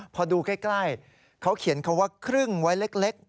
พอดูใกล้เขาเขียนคำว่าครึ่งไว้เล็ก